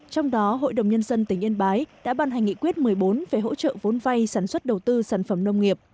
trong đó hội đồng nhân dân tỉnh yên bái đã ban hành nghị quyết một mươi bốn về hỗ trợ vốn vay sản xuất đầu tư sản phẩm nông nghiệp